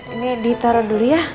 ini ditaro dulu ya